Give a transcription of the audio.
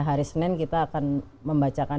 hari senin kita akan membacakan